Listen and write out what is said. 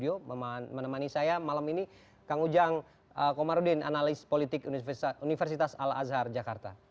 saya menemani saya malam ini kang ujang komarudin analis politik universitas al azhar jakarta